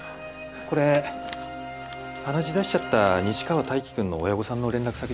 これ鼻血出しちゃった西川泰希くんの親御さんの連絡先です。